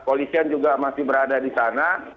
polisian juga masih berada di sana